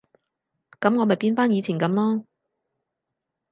噉我咪變返以前噉囉